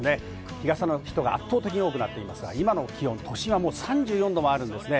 日傘の人が圧倒的に多くなっていますが、今の気温、都心はもう３４度もあるんですね。